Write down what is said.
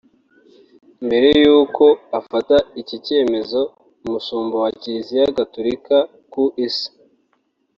Mbere y’uko afata iki cyemezo; Umushumba wa Kiliziya Gaturika ku Isi